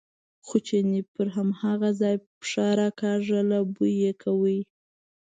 خو چیني پر هماغه ځای پښه راکاږله، بوی یې کاوه.